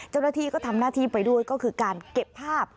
เจ้าหน้าที่ก็ทำหน้าที่ไปด้วยก็คือการเก็บภาพ